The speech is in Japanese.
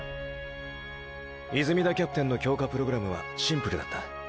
泉田キャプテンの強化プログラムはシンプルだった。